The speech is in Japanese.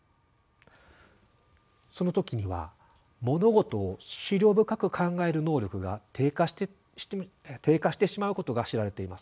その時には物事を思慮深く考える能力が低下してしまうことが知られています。